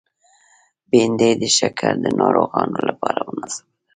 بېنډۍ د شکر ناروغانو لپاره مناسبه ده